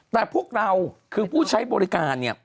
แต่พวกเราคือผู้ใช้บริการเนี่ย